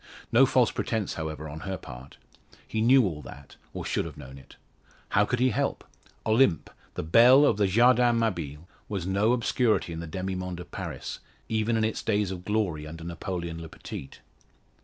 No false pretence, however, on her part. He knew all that, or should have known it. How could he help? Olympe, the belle of the Jardin Mabille, was no obscurity in the demi monde of Paris even in its days of glory under Napoleon le Petite.